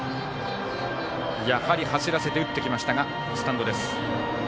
やはり走らせて打ってきましたがスタンドです。